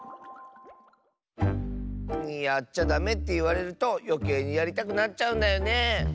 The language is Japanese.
やっちゃダメっていわれるとよけいにやりたくなっちゃうんだよねえ。